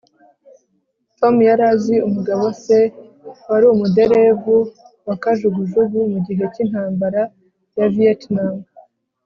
tom yari azi umugabo se wari umuderevu wa kajugujugu mugihe cyintambara ya vietnam